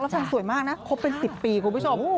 แฟนสวยมากนะครบเป็น๑๐ปีคุณผู้ชม